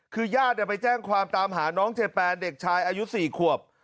คือญาติไปแจ้งความตามหาน้องเจแปนเด็กชายอายุ๔ขวบ